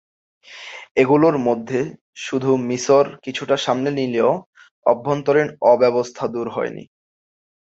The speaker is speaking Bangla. এগুলোর মধ্যে শুধু মিসর কিছুটা সামলে নিলেও অভ্যন্তরীণ অব্যবস্থা দূর হয়নি।